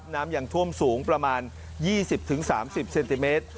น้ำยังท่วมสูงประมาณ๒๐๓๐เซนติเมตร